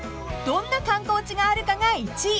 ［どんな観光地があるかが１位］